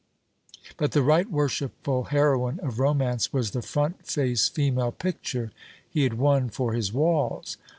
But the right worshipful heroine of Romance was the front face female picture he had won for his walls.